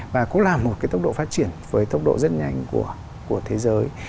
và cũng là một cái tốc độ phát triển với tốc độ rất nhanh của thế giới